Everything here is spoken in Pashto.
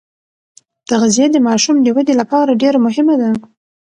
تغذیه د ماشوم د ودې لپاره ډېره مهمه ده.